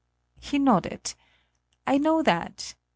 He nodded. "I know that!"